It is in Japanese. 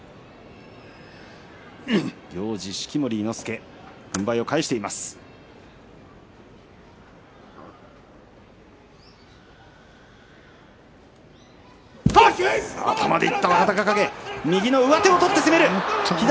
行司は式守伊之助軍配を返しました。